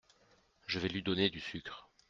Je vais lui donner du sucre…